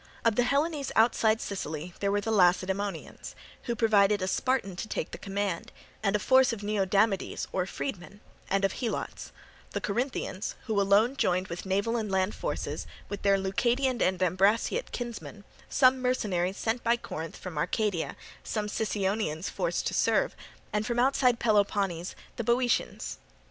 Of the Hellenes outside Sicily there were the Lacedaemonians, who provided a Spartan to take the command, and a force of Neodamodes or Freedmen, and of Helots; the Corinthians, who alone joined with naval and land forces, with their Leucadian and Ambraciot kinsmen; some mercenaries sent by Corinth from Arcadia; some Sicyonians forced to serve, and from outside Peloponnese the Boeotians.